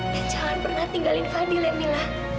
dan jangan pernah tinggalin fadil ya mila